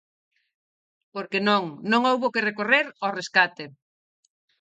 Porque non, non houbo que recorrer ao rescate.